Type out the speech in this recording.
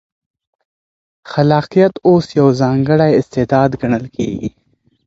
خلاقیت اوس یو ځانګړی استعداد ګڼل کېږي.